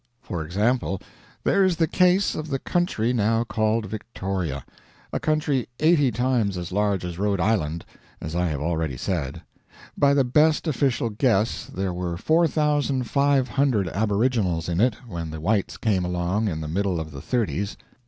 For example, there is the case of the country now called Victoria a country eighty times as large as Rhode Island, as I have already said. By the best official guess there were 4,500 aboriginals in it when the whites came along in the middle of the 'Thirties.